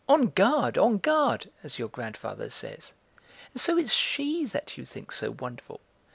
"On guard! on guard! as your grandfather says. And so it's she that you think so wonderful?